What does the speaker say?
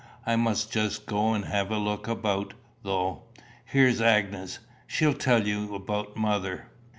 "I must just go and have a look about, though. Here's Agnes. She'll tell you about mother."